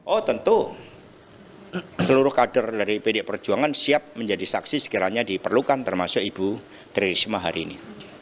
oh tentu seluruh kader dari pd perjuangan siap menjadi saksi sekiranya diperlukan termasuk ibu tririsma hari ini